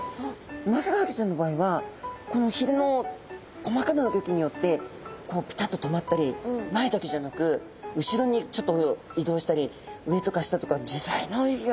ウマヅラハギちゃんの場合はこのひれの細かな動きによってこうピタっと止まったり前だけじゃなく後ろにちょっといどうしたり上とか下とかじざいな泳ぎができるんですね。